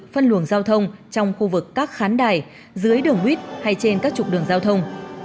phân luồng giao thông trong khu vực các khán đài dưới đường buýt hay trên các trục đường giao thông